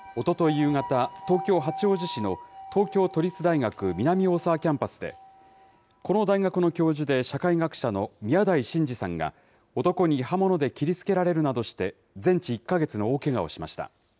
夕方、東京・八王子市の東京都立大学南大沢キャンパスで、この大学の教授で社会学者の宮台真司さんが、男に刃物で切りつけられるなどして全治１か月の大けがをしました。